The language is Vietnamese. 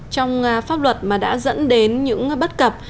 trong pháp luật mà đã dẫn đến những bất cập